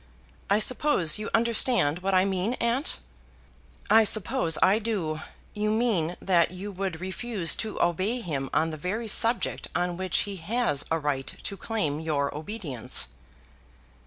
I suppose you understand what I mean, aunt?" "I suppose I do. You mean that you would refuse to obey him on the very subject on which he has a right to claim your obedience."